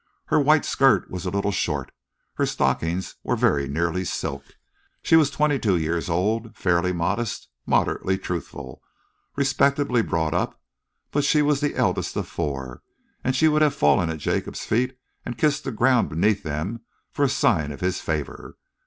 Her white skirt was a little short, and her stockings were very nearly silk. She was twenty two years old, fairly modest, moderately truthful, respectably brought up, but she was the eldest of four, and she would have fallen at Jacob's feet and kissed the ground beneath them for a sign of his favour.